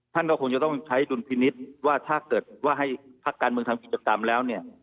ท่านก็คงจะต้องใช้ดุลพินิษฐ์ว่าถ้าเกิดว่าให้พักการเมืองทำกิจกรรมแล้วเนี่ย